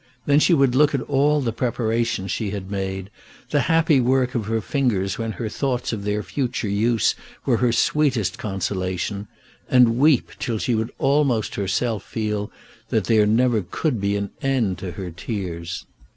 Then she would look at all the preparations she had made, the happy work of her fingers when her thoughts of their future use were her sweetest consolation, and weep till she would herself feel that there never could be an end to her tears.